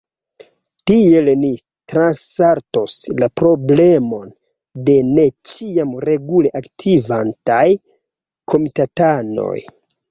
Tiel ni transsaltos la problemon de ne ĉiam regule aktivantaj komitatanoj.